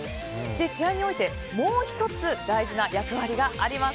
試合においてもう１つ大事な役割があります。